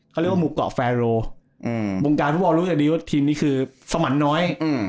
เขาเรียกว่าหมู่เกาะแฟโรวงการฟุตบอลรู้แต่ดีว่าทีมนี้คือสมันน้อย